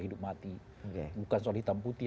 hidup mati bukan soal hitam putih